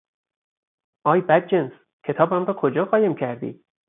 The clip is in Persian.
آی بدجنس! کتابم را کجا قایم کردی؟